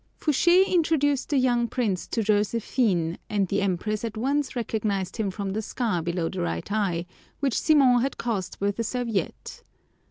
Fouché introduced the young prince to Josephine, and the Empress at once recognized him from the scar below the right eye, which Simon had caused with a serviette.